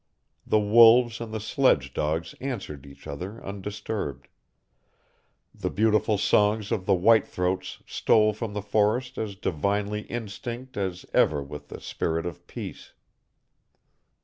The wolves and the sledge dogs answered each other undisturbed; the beautiful songs of the white throats stole from the forest as divinely instinct as ever with the spirit of peace.